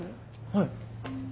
はい。